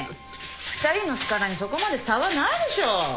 ２人の力にそこまで差はないでしょ。